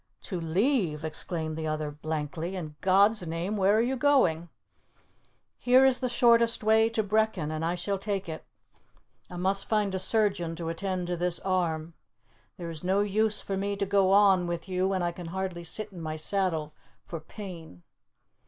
"To leave?" exclaimed the other blankly. "In God's name, where are you going?" "Here is the shortest way to Brechin, and I shall take it. I must find a surgeon to attend to this arm. There is no use for me to go on with you when I can hardly sit in my saddle for pain."